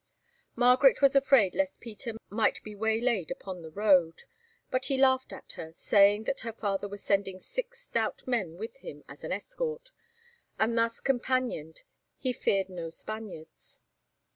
Margaret was afraid lest Peter might be waylaid upon the road, but he laughed at her, saying that her father was sending six stout men with him as an escort, and thus companioned he feared no Spaniards.